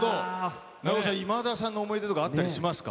長尾さん、今田さんの想い出とかあったりしますか？